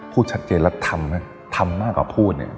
พูดชัดเจนแล้วทำนะทำมากกว่าพูดเนี่ย